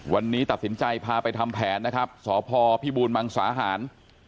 วันนี้ตัดสินใจพาไปทำแผนนะครับสพพิบูรมังสาหาร